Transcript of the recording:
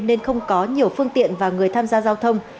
nên không có nhiều phương tiện và người tham gia giao thông